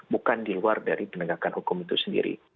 bukan di luar dari penegakan hukum itu sendiri